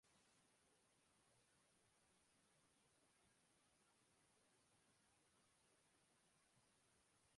Las relaciones sociales están cubiertas por el Foot Ball Club y el Club Social.